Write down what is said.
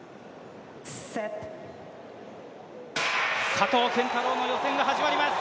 佐藤拳太郎の予選が始まります。